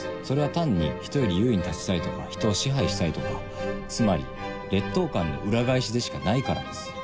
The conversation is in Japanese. それは単に人より優位に立ちたいとか人を支配したいとかつまり劣等感の裏返しでしかないからです。